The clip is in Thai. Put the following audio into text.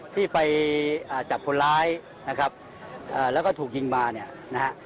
ที่ไปจับคนร้ายนะครับแล้วก็ถูกยิงมา